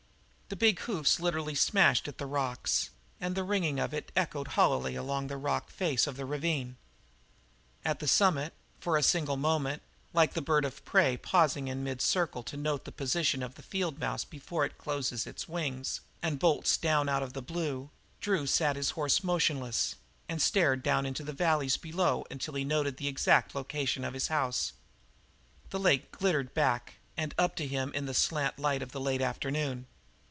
The big hoofs literally smashed at the rocks, and the ringing of it echoed hollowly along the rock face of the ravine. At the summit, for a single moment, like a bird of prey pausing in mid circle to note the position of the field mouse before it closes wings and bolts down out of the blue, Drew sat his horse motionless and stared down into the valleys below until he noted the exact location of his house the lake glittered back and up to him in the slant light of the late afternoon.